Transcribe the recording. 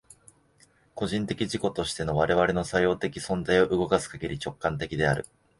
個人的自己としての我々の作用的存在を動かすかぎり、直観的である。